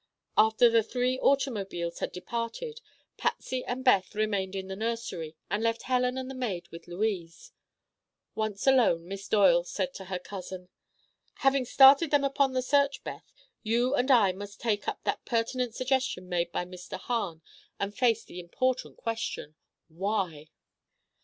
After the three automobiles had departed, Patsy and Beth remained in the nursery and left Helen and a maid with Louise. Once alone, Miss Doyle said to her cousin: "Having started them upon the search, Beth, you and I must take up that pertinent suggestion made by Mr. Hahn and face the important question: 'Why?